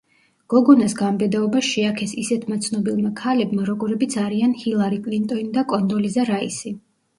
გოგონას გამბედაობა შეაქეს ისეთმა ცნობილმა ქალებმა, როგორებიც არიან ჰილარი კლინტონი და კონდოლიზა რაისი.